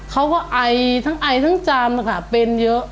เขาก็ไอทั้งไอทั้งจามค่ะเป็นเยอะ